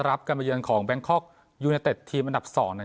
รับการมาเยือนของแบงคอกยูเนเต็ดทีมอันดับ๒